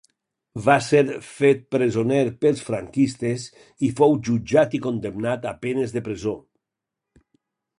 Va ser fet presoner pels franquistes, i fou jutjat i condemnat a penes de presó.